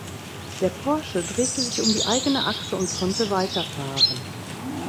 Der Porsche drehte sich um die eigene Achse und konnte weiterfahren.